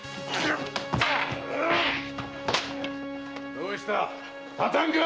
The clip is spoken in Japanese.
どうした⁉立たんか！